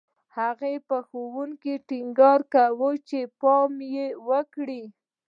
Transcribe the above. هغې په ښوونکو ټینګار کاوه چې پام وکړي